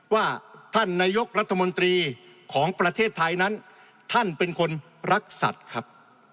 ว่าท่านนายกรัฐมนตรีของประเทศไทยนั้นท่านเป็นคนรักสัตว์ครับ